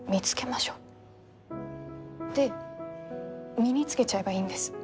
で身につけちゃえばいいんです。